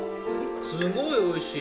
すごいおいしい。